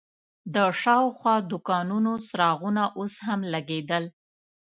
د شاوخوا دوکانونو څراغونه اوس هم لګېدل.